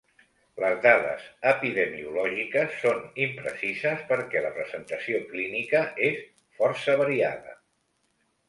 Les dades epidemiològiques són imprecises perquè la presentació clínica és força variada.